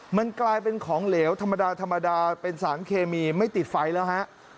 มันกลายเป็นของเหลวธรรมดาธรรมดาเป็นสารเคมีไม่ติดไฟแล้วฮะ